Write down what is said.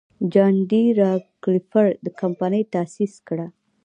جان ډي راکلفیلر کمپنۍ تاسیس کړه.